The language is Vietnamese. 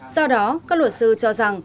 do đó các luật sư cho rằng